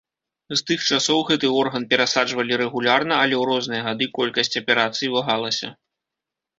З тых часоў гэты орган перасаджвалі рэгулярна, але ў розныя гады колькасць аперацый вагалася.